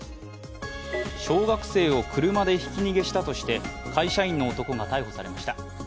小学生を車でひき逃げしたとして会社員の男が逮捕されました。